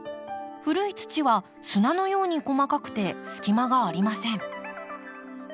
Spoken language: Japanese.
古い土は砂のように細かくて隙間がありません。